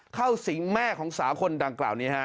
เข้าสิงแม่ของสาวคนดังกล่าวนี้ฮะ